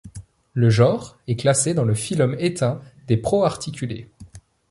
Le genre est classé dans le phylum éteint des proarticulés.